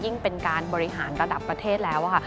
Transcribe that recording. ยิ่งเป็นการบริหารระดับประเทศแล้ว